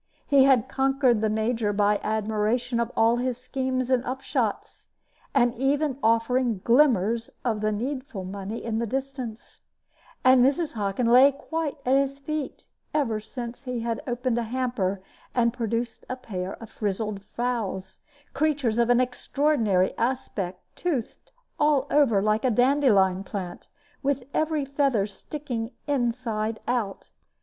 He had conquered the Major by admiration of all his schemes and upshots, and even offering glimmers of the needful money in the distance; and Mrs. Hockin lay quite at his feet ever since he had opened a hamper and produced a pair of frizzled fowls, creatures of an extraordinary aspect, toothed all over like a dandelion plant, with every feather sticking inside out.